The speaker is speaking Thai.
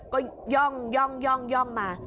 ก็ย่องมา